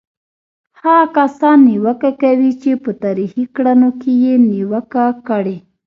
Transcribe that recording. هغه کسان نیوکه کوي چې په تاریخي کړنو کې یې نیوکه کړې.